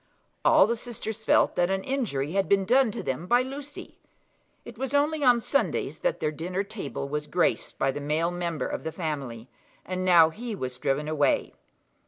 All the sisters felt that an injury had been done to them by Lucy. It was only on Sundays that their dinner table was graced by the male member of the family, and now he was driven away.